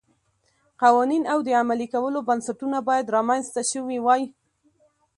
قوانین او د عملي کولو بنسټونه باید رامنځته شوي وای